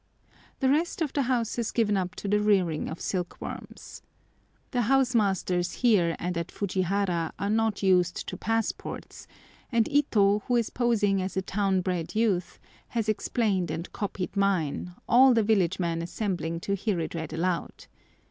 The rest of the house is given up to the rearing of silk worms. The house masters here and at Fujihara are not used to passports, and Ito, who is posing as a town bred youth, has explained and copied mine, all the village men assembling to hear it read aloud.